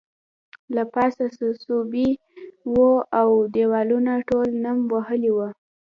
له پاسه څڅوبی وو او دیوالونه ټول نم وهلي وو